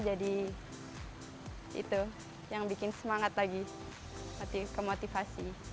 jadi itu yang bikin semangat lagi hati kemotivasi